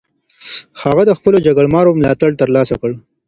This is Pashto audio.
هغه د خپلو جګړه مارو ملاتړ ترلاسه کړ.